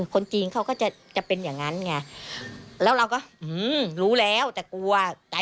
คนจีนเขาก็จะจะเป็นอย่างนั้นไงแล้วเราก็รู้แล้วแต่กลัวตาย